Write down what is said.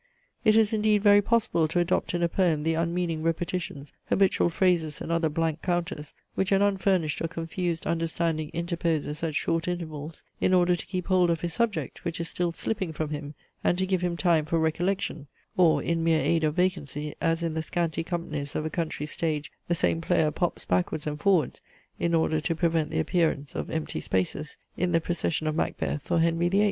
It is indeed very possible to adopt in a poem the unmeaning repetitions, habitual phrases, and other blank counters, which an unfurnished or confused understanding interposes at short intervals, in order to keep hold of his subject, which is still slipping from him, and to give him time for recollection; or, in mere aid of vacancy, as in the scanty companies of a country stage the same player pops backwards and forwards, in order to prevent the appearance of empty spaces, in the procession of Macbeth, or Henry VIII.